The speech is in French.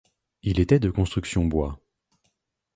Il était de construction bois.